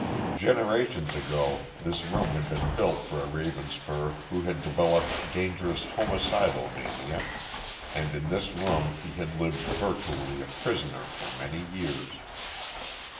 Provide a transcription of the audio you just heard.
Generations ago this room had been built for a Ravenspur who had developed dangerous homicidal mania, and in this room he had lived virtually a prisoner for many years.